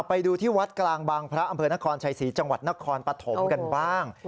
ไปดูที่วัดกลางบางพระอำเภอนครชัยศรีจังหวัดนครปฐมกันบ้าง